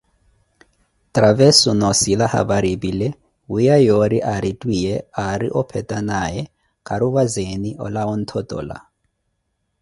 Traveso, noosila hapari epile, wiiya yoori aari twiiye aari ophetanaaye, kharupazeeni olawa onthotola.